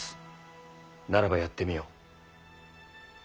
ならばやってみよ。